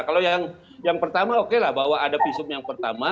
kalau yang pertama oke lah bahwa ada visum yang pertama